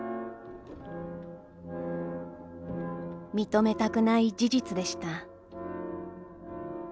「認めたくない事実でした」。